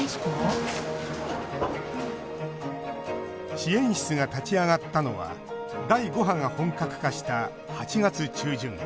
支援室が立ち上がったのは第５波が本格化した８月中旬。